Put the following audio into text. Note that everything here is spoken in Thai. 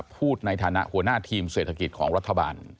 พูดในฐานะหัวหน้าทีมเศรษฐกิจของรัฐบาล